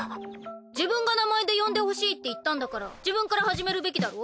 自分が名前で呼んでほしいって言ったんだから自分から始めるべきだろ？